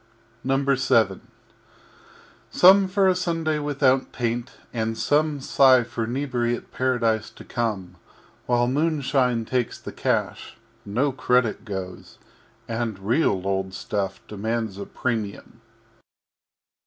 VII Some for a Sunday without Taint, and Some Sigh for Inebriate Paradise to come, While Moonshine takes the Cash (no Credit goes) And real old Stuff demands a Premium.